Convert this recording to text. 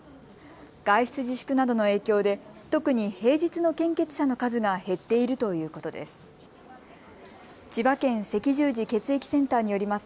外出自粛などの影響で特に平日の献血者の数が減っているということです。